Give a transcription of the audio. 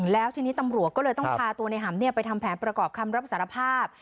แล้วทีนี้ตำรวจก็เลยต้องพาตัวในหำไปทำแผนประกอบคำรับสารภาพ